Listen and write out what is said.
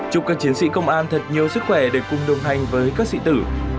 chúc các chiến sĩ công an thật nhiều sức khỏe để cùng đồng hành với các sĩ tử